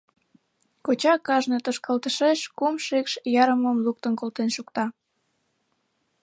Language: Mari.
Коча кажне тошкалтышеш кум шикш ярымым луктын колтен шукта.